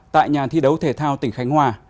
tại nhà thi đấu thể thao tỉnh khánh hòa